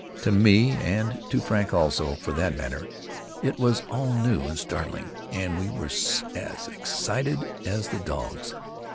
To me, and to Frank, also, for that matter, it was all new and startling, and we were as excited as the dogs.